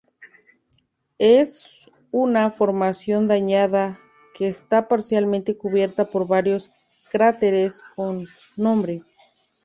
Es una formación dañada que está parcialmente cubierta por varios cráteres con nombre.